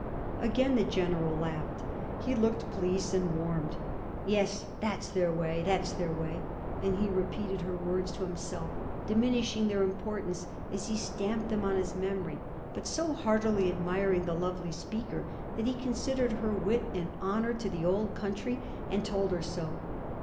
Again the General laughed; he looked pleased and warmed. 'Yes, that 's their way, that 's their way!' and he repeated her words to himself, diminishing their importance as he stamped them on his memory, but so heartily admiring the lovely speaker, that he considered her wit an honour to the old country, and told her so.